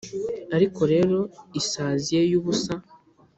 ariko reka isazi ye yubusa